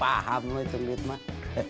paham lo itu ndit mak